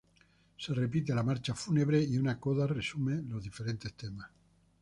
Se repite la marcha fúnebre y una coda resume los diferentes temas.